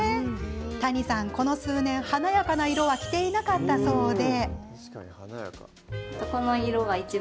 谷さん、この数年、華やかな色は着ていなかったそうで。